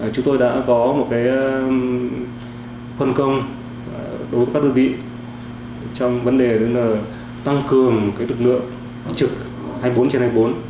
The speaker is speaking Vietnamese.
chúng tôi đã có một phân công đối với các đơn vị trong vấn đề tăng cường lực lượng trực hai mươi bốn trên hai mươi bốn